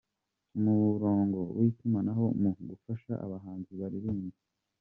Umurongo witumanaho mu gufasha abahanzi baririmba